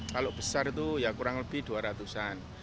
kalau besar itu ya kurang lebih dua ratus an